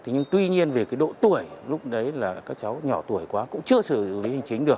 nhưng tuy nhiên về độ tuổi lúc đấy là các cháu nhỏ tuổi quá cũng chưa xử lý